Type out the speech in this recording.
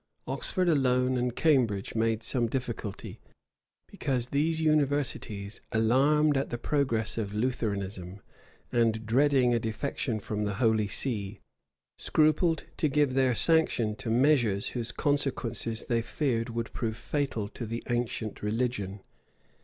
Oxford alone[] and Cambridge* made some difficulty; because these universities, alarmed at the progress of Lutheranism, and dreading a defection from the holy see, scrupled to give their sanction to measures whose consequences they feared would prove fatal to the ancient religion.